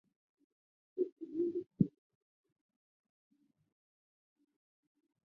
其与垂直思考相对应。